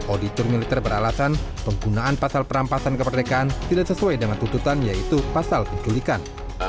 auditor militer beralasan penggunaan pasal perampasan keperdekaan tidak sesuai dengan tuntutan yaitu pasal penculikan